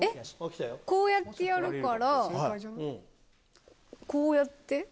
こうやってやるからこうやって。